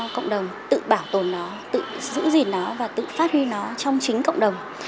để cho cộng đồng tự bảo tồn nó tự giữ gìn nó và tự phát huy nó trong chính cộng đồng